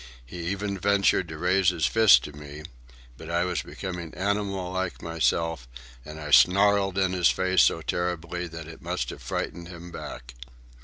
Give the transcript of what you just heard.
He even ventured to raise his fist to me, but I was becoming animal like myself, and I snarled in his face so terribly that it must have frightened him back.